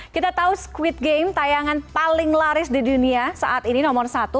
kita tahu squid game tayangan paling laris di dunia saat ini nomor satu